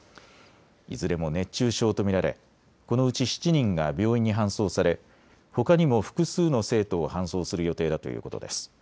いずれも熱中症と見られこのうち７人が病院に搬送されほかにも複数の生徒を搬送する予定だということです。